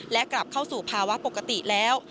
และกลับเข้าสู่ภาวะปกติแล้ว